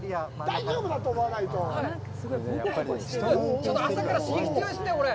ちょっと朝から刺激強いですね、これ。